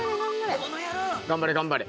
頑張れ頑張れ！